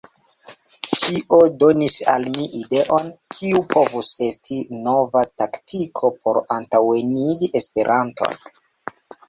Tio donis al mi ideon, kiu povus esti nova taktiko por antaŭenigi Esperanton.